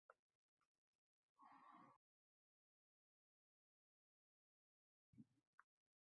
O‘rtada vositachilik qilib, tadbikorning ishini bitirib beradi